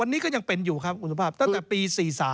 วันนี้ก็ยังเป็นอยู่ครับคุณสุภาพตั้งแต่ปี๔๓